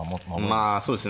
まあそうですね。